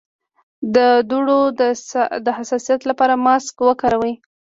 د دوړو د حساسیت لپاره ماسک وکاروئ